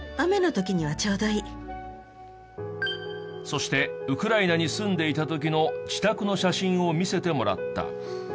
そしてウクライナに住んでいた時の自宅の写真を見せてもらった。